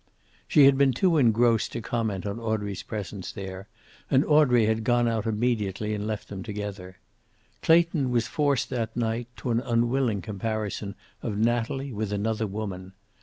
She had been too engrossed to comment on Audrey's presence there, and Audrey had gone out immediately and left them together. Clayton was forced, that night, to an unwilling comparison of Natalie with another woman.